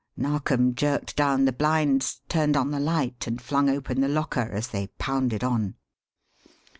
Narkom jerked down the blinds, turned on the light, and flung open the locker, as they pounded on.